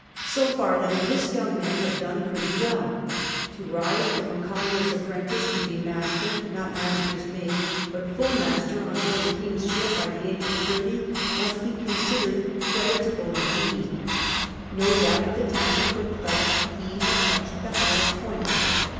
So far, then, this young man had done pretty Avell. To rise from a .30 CAPTAm COOK ORAP. collier's apprentice to be master, not master's mate, but full master, on board a king's ship by the age of thirty must be considered creditable indeed. No doubt at the time Cook thought ho had touched the highest point.